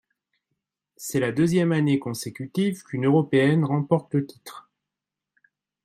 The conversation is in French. C'est la deuxième année consécutive qu'une Européenne remporte le titre.